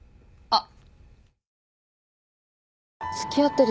あっ。